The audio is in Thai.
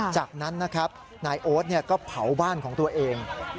จากนั้นนะครับนายโอ๊ตก็เผาบ้านของตัวเอง